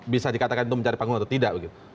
bisa dikatakan itu mencari panggung atau tidak begitu